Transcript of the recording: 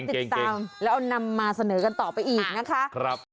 ติดตามแล้วเอานำมาเสนอกันต่อไปอีกนะคะ